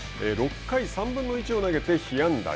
６回３分の１を投げて、被安打２。